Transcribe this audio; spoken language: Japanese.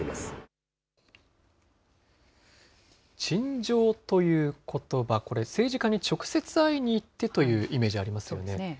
陳情ということば、これ、政治家に直接会いに行ってというイメージありますよね。